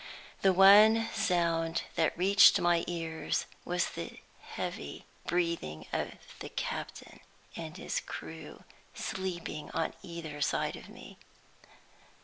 The one sound that reached my ears was the heavy breathing of the captain and his crew sleeping on either side of me.